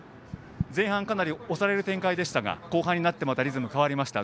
前半かなり押される展開でしたが後半になってリズムが変わりました。